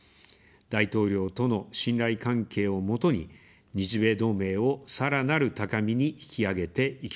大統領との信頼関係を基に、日米同盟をさらなる高みに引き上げていきます。